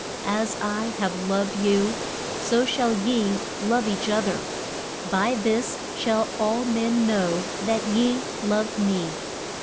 As I have loved you so shall ye love each oth er. By this shall all men know that ye love me.